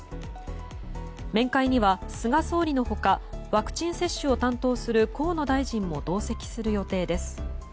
面会には菅総理の他ワクチン接種を担当する河野大臣も同席する予定です。